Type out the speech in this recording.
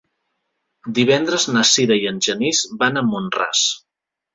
Divendres na Sira i en Genís van a Mont-ras.